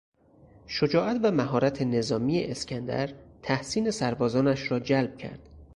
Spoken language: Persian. شجاعت و مهارتنظامی اسکندر تحسین سربازانش را جلب کرد.